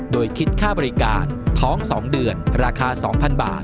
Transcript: โดยคิดค่าบริการท้อง๒เดือนราคา๒๐๐๐บาท